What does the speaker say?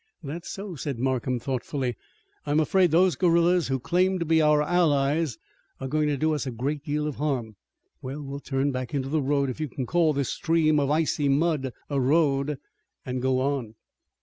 "That's so," said Markham, thoughtfully. "I'm afraid those guerillas who claim to be our allies are going to do us a great deal of harm. Well, we'll turn back into the road, if you can call this stream of icy mud a road, and go on."